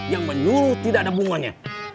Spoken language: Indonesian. yang menyuruh tidak ada hubungannya